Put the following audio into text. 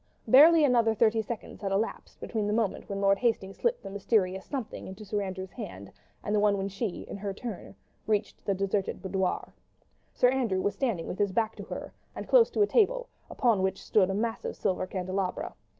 Barely another thirty seconds had elapsed between the moment when Lord Hastings slipped the mysterious "something" into Sir Andrew's hand, and the one when she, in her turn, reached the deserted boudoir. Sir Andrew was standing with his back to her and close to a table upon which stood a massive silver candelabra.